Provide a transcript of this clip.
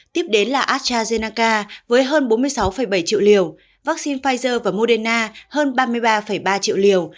tiếp đến là astrazeneca với hơn bốn mươi sáu bảy triệu liều vắc xin pfizer và moderna hơn ba mươi ba ba triệu liều